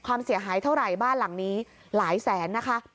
ความเสียหายเท่าไหร่บ้านหลังนี้หลายแสนนะคะ